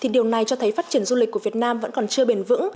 điều này cho thấy phát triển du lịch của việt nam vẫn còn chưa bền vững